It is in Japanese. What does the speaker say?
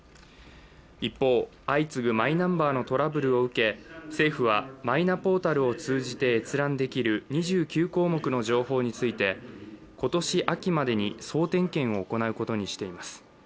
一方、相次ぐマイナンバーのトラブルを受け、政府はマイナポータルを通じて閲覧できる２９項目の情報について今年秋までに総点検を行うことにしています。